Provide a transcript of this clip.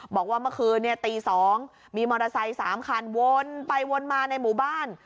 บอกว่าเมื่อคืนตี๒มีมอเตอร์ไซค์๓คันวนไปวนมาในหมู่บ้าน